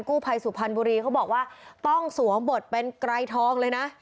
ภัยสุพรรณบุรีเขาบอกว่าต้องสวมบทเป็นไกรทองเลยนะ